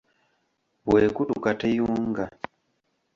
Bw'ekutuka teyunga.